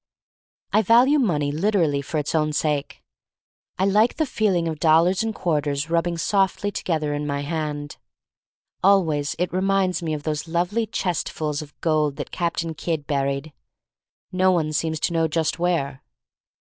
I value money literally for its own sake. I like the feeling of dollars and quarters rubbing softly together in my hand. Always it reminds me of those lovely chestfuls of gold that Captain Kidd buried — no one seems to know just where.